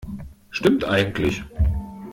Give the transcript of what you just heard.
Stimmt eigentlich.